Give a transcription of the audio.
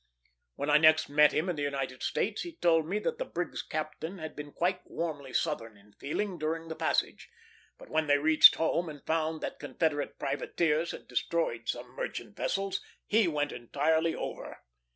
When I next met him in the United States, he told me that the brig's captain had been quite warmly Southern in feeling during the passage; but when they reached home, and found that Confederate privateers had destroyed some merchant vessels, he went entirely over.